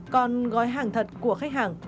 còn gói hàng thật của khách hàng